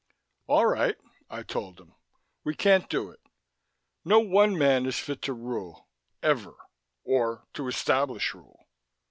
"All right," I told him. "We can't do it. No one man is fit to rule, ever, or to establish rule.